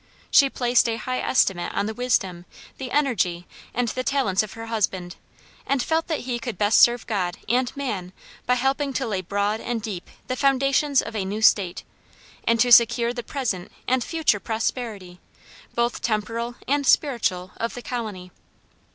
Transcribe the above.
She placed a high estimate on the wisdom, the energy, and the talents of her husband, and felt that he could best serve God and man by helping to lay broad and deep the foundations of a new State, and to secure the present and future prosperity, both temporal and spiritual, of the colony.